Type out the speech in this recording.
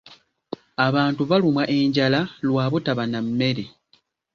Abantu balumwa enjala lwa butaba na mmere.